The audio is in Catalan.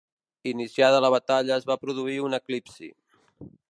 Iniciada la batalla es va produir un eclipsi.